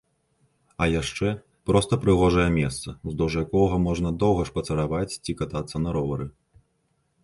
А яшчэ проста прыгожае месца, уздоўж якога можна доўга шпацыраваць ці катацца на ровары.